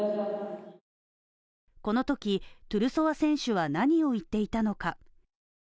このときトゥルソワ選手は何を言っていたのか。